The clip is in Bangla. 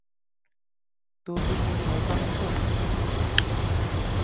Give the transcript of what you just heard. তো তুমি ভয় পাচ্ছ?